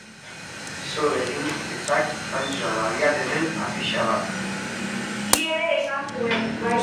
So egin ezak Frantxoa, badiat hemen afixa bat.